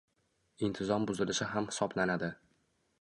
intizom buzilishi ham hisoblanadi.